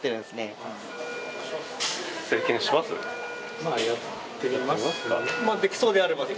まあやってみます？